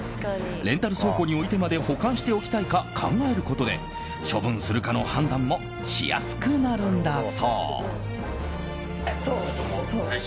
レンタル倉庫に置いてまで保管しておきたいか考えることで処分するかの判断もしやすくなるんだそう。